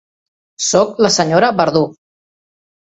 Soc la senyora Verdú.